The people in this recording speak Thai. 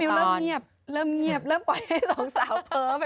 พี่มิวเริ่มเงียบเริ่มเงียบเริ่มปล่อยให้สองสาวเพิ่มไปก่อน